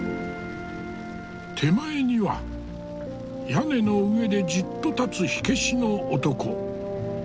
手前には屋根の上でじっと立つ火消しの男。